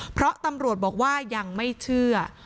เพราะตำรวจบอกว่ายังไม่เชื่อ